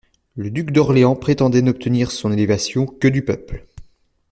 Le duc d'Orléans prétendait n'obtenir son élévation que du peuple.